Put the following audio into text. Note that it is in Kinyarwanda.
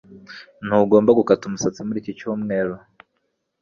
Ntugomba gukata umusatsi muri iki cyumweru.